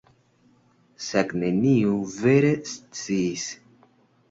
Sed neniu vere sciis.